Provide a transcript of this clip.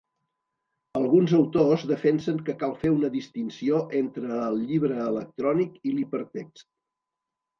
Alguns autors defensen que cal fer una distinció entre el llibre electrònic i l'hipertext.